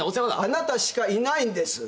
あなたしかいないんです。